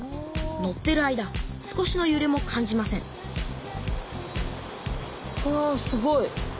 乗ってる間少しのゆれも感じませんわすごい。